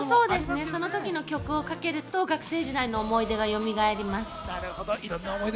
その時の曲をかけると、学生時代の思い出がよみがえります。